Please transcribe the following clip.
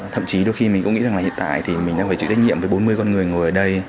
thậm chí đôi khi mình có nghĩ rằng là hiện tại thì mình đang phải chịu trách nhiệm với bốn mươi con người ngồi ở đây